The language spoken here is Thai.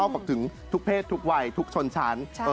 บอกถึงทุกเพศทุกวัยทุกชนชั้น